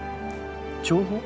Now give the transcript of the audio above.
情報？